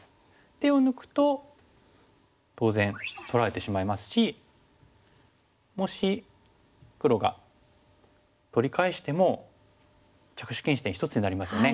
手を抜くと当然取られてしまいますしもし黒が取り返しても着手禁止点１つになりますよね。